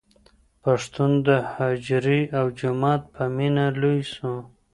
پښتون د حجري او جومات په مینه لوی سوی.